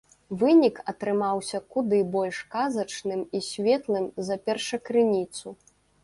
Вынік атрымаўся куды больш казачным і светлым за першакрыніцу.